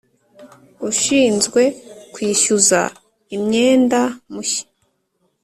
ushinzwe kwishyuza imyenda mushya